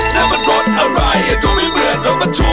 นั่นมันรถอะไรให้ดูไม่เหมือนรถบันทุกข์